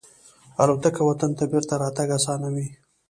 الوتکه وطن ته بېرته راتګ آسانوي.